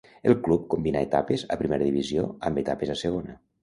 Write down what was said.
El club combinà etapes a Primera divisió amb etapes a Segona.